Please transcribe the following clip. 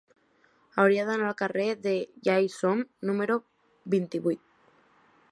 Hauria d'anar al carrer de Ja-hi-som número vint-i-vuit.